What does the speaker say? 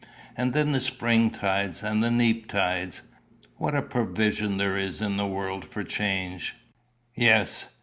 And then the spring tides and the neap tides! What a provision there is in the world for change!" "Yes.